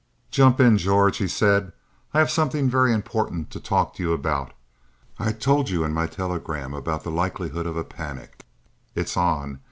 "Jump in, George," he said. "I have something very important to talk to you about. I told you in my telegram about the likelihood of a panic. It's on.